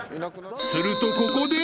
［するとここで］